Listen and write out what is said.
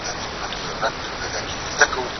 مورنۍ ژبه د پوهې بنسټ څنګه قوي کوي؟